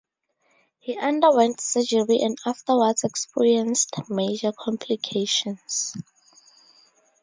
He underwent surgery and afterwards, experienced major complications.